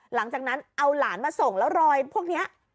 หลังจากนั้นเอาหลานมาส่งแล้วรอยพวกนี้